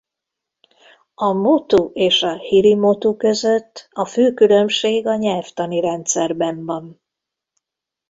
A motu és a hiri-motu között a fő különbség a nyelvtani rendszerben van.